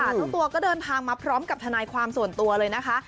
เจ้าตัวก็เดินทางมาพร้อมกับทนายความส่วนตัวเลยนะคะ